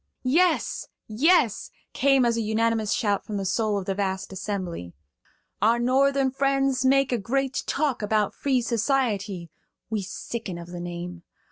"Yes, yes!" came as a unanimous shout from the soul of the vast assembly. "Our Northern friends make a great talk about free society. We sicken of the name.